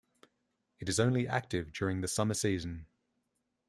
It is only active during the summer season.